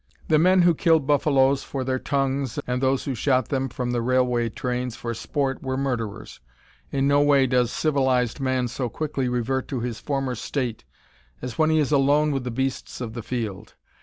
The men who killed buffaloes for their tongues and those who shot them from the railway trains for sport were murderers. In no way does civilized man so quickly revert to his former state as when he is alone with the beasts of the field.